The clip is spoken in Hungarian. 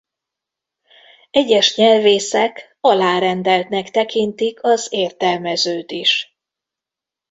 Egyes nyelvészek alárendeltnek tekintik az értelmezőt is.